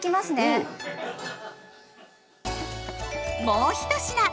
もう１品！